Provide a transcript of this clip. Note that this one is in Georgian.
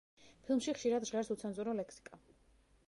ფილმში ხშირად ჟღერს უცენზურო ლექსიკა.